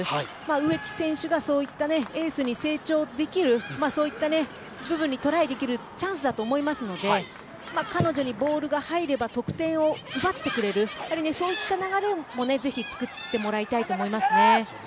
植木選手がそういったエースに成長できるそういった部分にトライできるチャンスだと思いますので彼女にボールが入れば得点を奪ってくれるそういった流れもぜひ作ってもらいたいと思います。